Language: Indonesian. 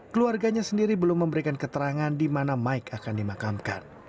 keluarganya sendiri belum memberikan keterangan di mana mike akan dimakamkan